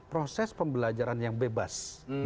proses pembelajaran yang bebas